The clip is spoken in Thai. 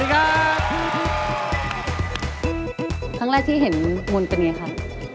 ครั้งแรกที่เห็นมนต์เป็นไงครับ